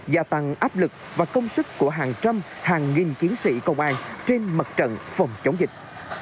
gia tăng áp lực và công sức của hàng trăm hàng nghìn chiến sĩ công an trên mặt trận phòng chống dịch